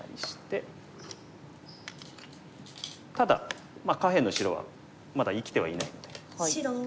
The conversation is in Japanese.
ただ下辺の白はまだ生きてはいないので。